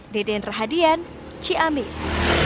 deden rahadian ciamis